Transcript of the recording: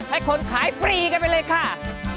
ให้คนขายฟรีกันไปเลยค่ะ